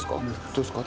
どうですか？